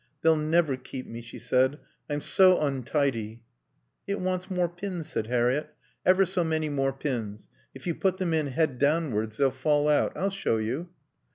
"They'll never keep me," she said. "I'm so untidy." "It wants more pins," said Harriett. "Ever so many more pins. If you put them in head downwards they'll fall out. I'll show you."